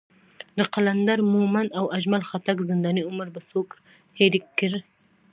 د قلندر مومند او اجمل خټک زنداني عمر به څوک هېر کړي.